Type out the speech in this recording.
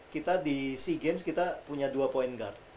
kita di sea games kita punya dua point guard